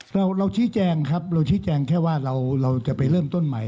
เราชี้แจงครับเราชี้แจงแค่ว่าเราจะไปเริ่มต้นใหม่